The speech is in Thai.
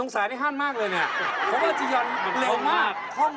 แสดงว่าเป็นคนจริงใจอย่างนี้นะครับเออโอเค